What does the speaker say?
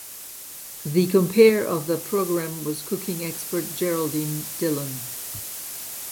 The compare of the program was cooking expert Geraldine Dillon.